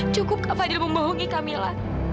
cukup kak fadil membohongi kamila